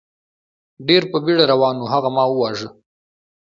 ډېر په بېړه روان و، هغه ما و واژه.